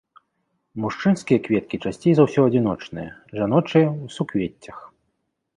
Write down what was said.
Мужчынскія кветкі часцей за ўсё адзіночныя, жаночыя ў суквеццях.